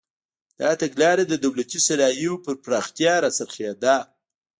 دا تګلاره د دولتي صنایعو پر پراختیا راڅرخېده.